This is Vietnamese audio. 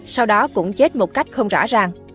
sau đó cũng chết một cách không rõ ràng